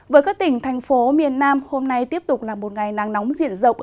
với các tỉnh thành phố miền nam hôm nay tiếp tục là một ngày nắng nóng diện rộng